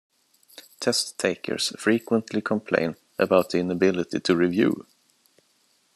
Test-takers frequently complain about the inability to review.